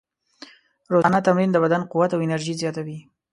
روزانه تمرین د بدن قوت او انرژي زیاتوي.